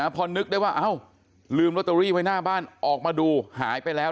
พอนึกได้ว่าเอ้าลืมลอตเตอรี่ไว้หน้าบ้านออกมาดูหายไปแล้ว